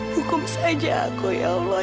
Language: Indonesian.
hukum saja aku ya allah